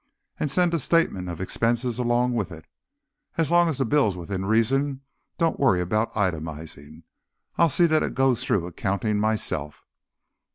"And send a statement of expenses along with it. As long as the bill's within reason, don't worry about itemizing; I'll see that it goes through Accounting myself."